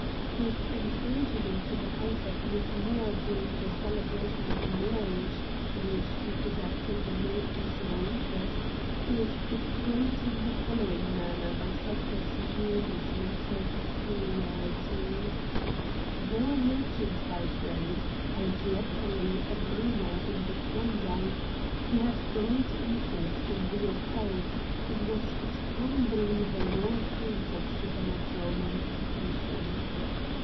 His intrusion into the house of Miss Moore during the celebration of a marriage in which he could have taken no personal interest is explained in the following manner by such as knew his mental peculiarities: Though a merchant by trade and latterly a miner in the Klondike, he had great interest in the occult and was a strong believer in all kinds of supernatural manifestations.